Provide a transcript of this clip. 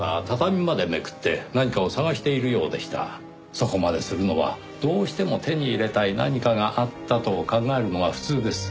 そこまでするのはどうしても手に入れたい何かがあったと考えるのが普通です。